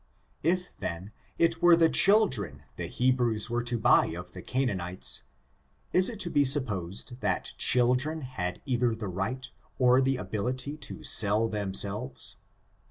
'' If, then, it were the children the Hebrews were to buy of the Canaanites, is it to be supposed that children had either the right or the ability to sell themselves?